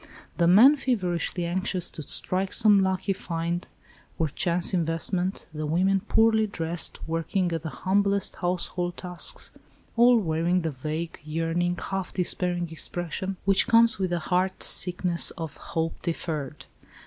The men feverishly anxious to strike some lucky find or chance investment, the women poorly dressed, working at the humblest household tasks, all wearing the vague, yearning, half despairing expression, which comes of the heart sickness of "hope deferred."